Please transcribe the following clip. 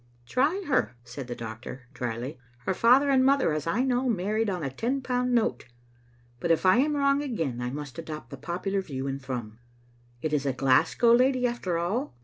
" Try her," said the doctor, drily. " Her father and mother, as I know, married on a ten pound note. But if I am wrong again, I must adopt the popular view in Thrums. It is a Glasgow lady after all?